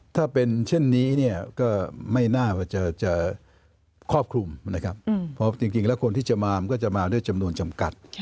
ถ้าเป็นเช่นนี้เนี่ยก็ไม่น่าว่าจะครอบคลุมนะครับเพราะจริงแล้วคนที่จะมามันก็จะมาด้วยจำนวนจำกัด